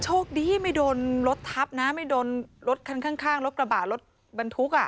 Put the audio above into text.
โชคดีไม่โดนรถทับนะไม่โดนรถคันข้างรถกระบะรถบรรทุกอ่ะ